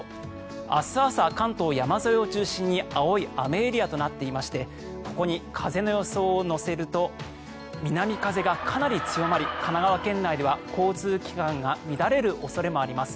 明日朝、関東山沿いを中心に青い雨エリアとなっていましてここに風の予想を乗せると南風がかなり強まり神奈川県内では交通機関が乱れる恐れもあります。